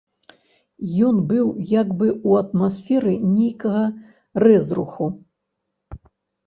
Ён быў як бы ў атмасферы нейкага рэзруху.